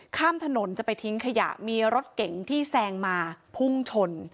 ข้ามถนนจะไปทิ้งขยะมีรถเก๋งที่แซงมาพุ่งชน